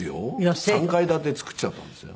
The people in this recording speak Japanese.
３階建て造っちゃったんですよ。